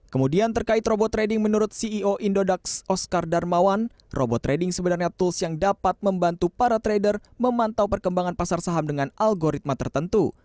kemudian terkait robot trading menurut ceo indodax oscar darmawan robot trading sebenarnya tools yang dapat membantu para trader memantau perkembangan pasar saham dengan algoritma tertentu